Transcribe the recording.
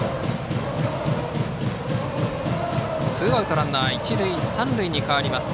ツーアウトランナー、一塁三塁に変わりました。